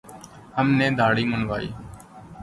ہم نے دھاڑی منڈوادی